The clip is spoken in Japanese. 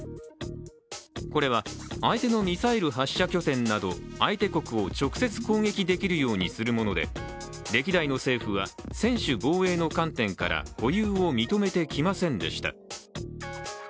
これは相手のミサイル発射拠点など相手国を直接攻撃できるようにするもので、歴代の政府は、専守防衛の観点から保有を認めてきませんでした。